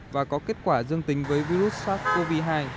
và có kết quả dương tính với virus sars cov hai